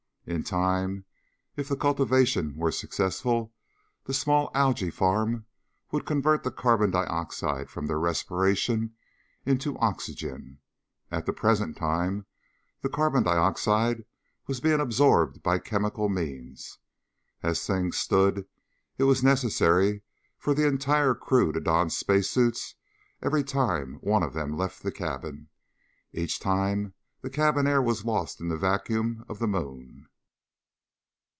In time, if the cultivation were successful, the small algae farm would convert the carbon dioxide from their respiration into oxygen. At the present time the carbon dioxide was being absorbed by chemical means. As things stood, it was necessary for the entire crew to don spacesuits every time one of them left the cabin. Each time the cabin air was lost in the vacuum of the moon.